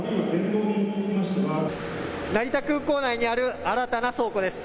成田空港内にある新たな倉庫です。